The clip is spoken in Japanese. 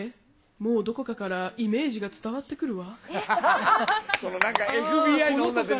もうどこかからイメージが伝わってくるわ。